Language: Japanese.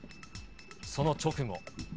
その直後。